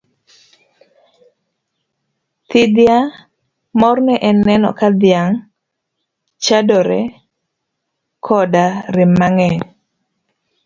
Thithia! Morne en neno ka dhiang' chadore koda rem mang'eny.